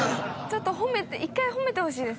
１回褒めてほしいです。